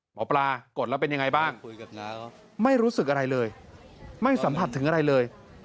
หมอปลากดแล้วเป็นยังไงบ้างไม่รู้สึกอะไรเลยไม่สัมผัสถึงอะไรเลย